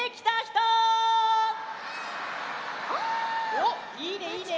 おっいいねいいね！